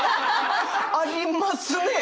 ありますね。